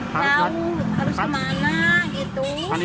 harus ke mana